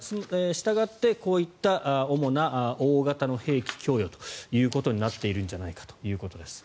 したがってこういった主な大型の兵器供与ということになっているんじゃないかということです。